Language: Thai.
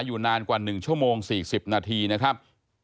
อยู่นานกว่า๑ชั่วโมง๔๐นาทีนะครับ